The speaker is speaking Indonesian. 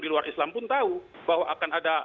di luar islam pun tahu bahwa akan ada